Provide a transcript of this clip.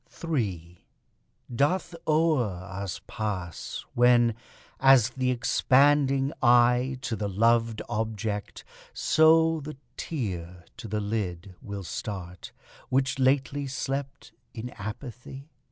3 Doth o'er us pass, when, as th' expanding eye To the loved object so the tear to the lid Will start, which lately slept in apathy?